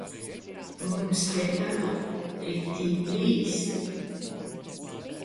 Mums te tagad riktīgi līst.